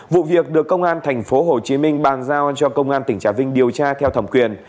vụ việc được công an tp hcm bàn giao cho công an tỉnh trà vinh điều tra theo thẩm quyền